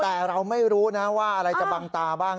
แต่เราไม่รู้นะว่าอะไรจะบังตาบ้าง